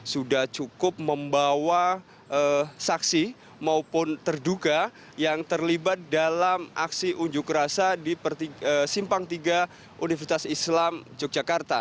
sudah cukup membawa saksi maupun terduga yang terlibat dalam aksi unjuk rasa di simpang tiga universitas islam yogyakarta